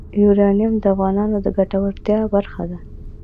یورانیم د افغانانو د ګټورتیا برخه ده.